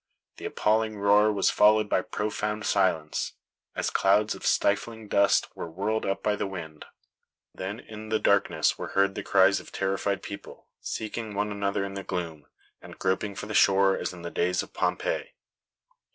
The appalling roar was followed by profound silence, as clouds of stifling dust were whirled up by the wind. Then in the darkness were heard the cries of terrified people, seeking one another in the gloom, and groping for the shore as in the days of Pompeii.